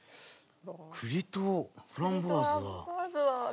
栗とフランボワーズは。